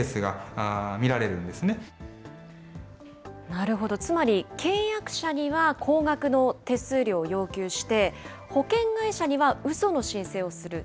なるほど、つまり契約者には高額の手数料を要求して、保険会社にはうその申請をする。